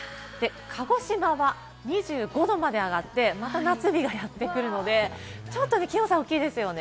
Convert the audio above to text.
鹿児島は２５度まで上がって、また夏日がやってくるので、ちょっと気温差が大きいですよね。